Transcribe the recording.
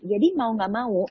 jadi mau gak mau